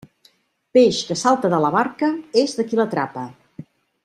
Peix que salta de la barca és de qui l'atrapa.